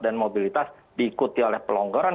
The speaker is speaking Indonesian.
dan mobilitas diikuti oleh pelonggaran